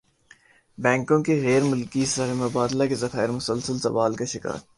بینکوں کے غیرملکی زرمبادلہ کے ذخائر مسلسل زوال کا شکار